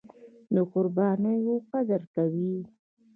د قربانیو قدر کوي.